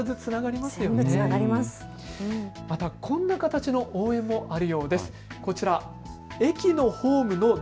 また、こんな形の応援もあるようです。